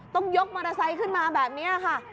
ต้องยกมอเตอร์ไซค์ขึ้นมาแบบนี้ค่ะ